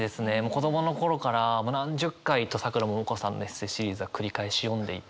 子供の頃からもう何十回とさくらももこさんのエッセーシリーズは繰り返し読んでいて。